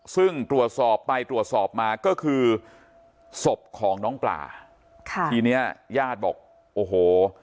ซึ่งตรวจสอบไปตรวจสอบมาก็คือศพของน้องปลาค่ะทีเนี้ยญาติบอกโอ้โห